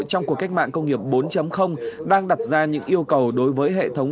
trong cuộc cách mạng công nghiệp bốn đang đặt ra những yêu cầu đối với hệ thống